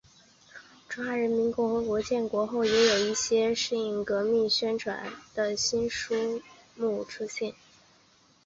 中华人民共和国建国后也有一些适应革命宣传的新书目出现。